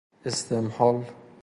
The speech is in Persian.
استمهال